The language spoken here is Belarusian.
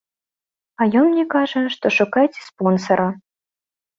А ён мне кажа, што шукайце спонсара.